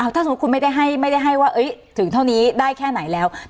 ถ้าสมมุติคุณไม่ได้ให้ว่าถึงเท่านี้ได้แค่ไหนแล้ว